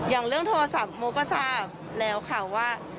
อย่างเรื่องโทรศัพท์โมก็ทราบแล้วค่ะว่า